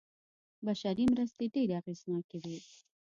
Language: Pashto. بشري مرستې ډېرې اغېزناکې وې.